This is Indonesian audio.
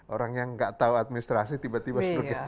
orang yang tidak tahu administrasi tiba tiba